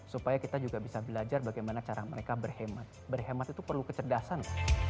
supaya kita juga bisa belajar bagaimana cara mereka berhemat berhemat itu perlu kecerdasan